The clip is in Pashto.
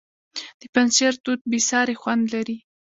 د پنجشیر توت بې ساري خوند لري.